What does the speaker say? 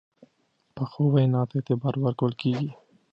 پخو وینا ته اعتبار ورکول کېږي